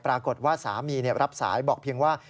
ปรากฏว่าสามีรับสายบอกเพียงว่า